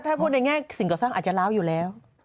ถ้าพูดในแง่สิ่งก่อสร้างอาจจะล้าวอยู่แล้ว